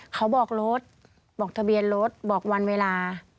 เขาบอกรถบอกทะเบียนรถบอกวันเวลา